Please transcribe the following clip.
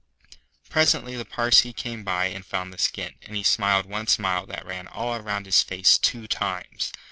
Presently the Parsee came by and found the skin, and he smiled one smile that ran all round his face two times.